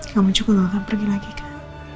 kamu juga gak akan pergi lagi kak